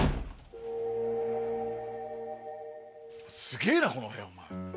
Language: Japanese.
すげぇなこの部屋お前。